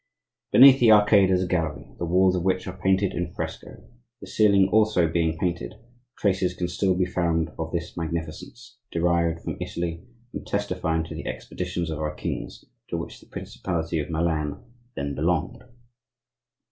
Beneath the arcade is a gallery, the walls of which are painted in fresco, the ceiling also being painted; traces can still be found of this magnificence, derived from Italy, and testifying to the expeditions of our kings, to which the principality of Milan then belonged.